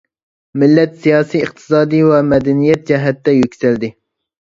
مىللەت سىياسىي، ئىقتىسادىي ۋە مەدەنىيەت جەھەتتە يۈكسەلدى.